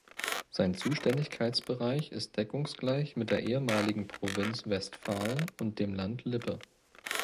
Sein Zuständigkeitsbereich ist deckungsgleich mit der ehemaligen Provinz Westfalen und dem Land Lippe.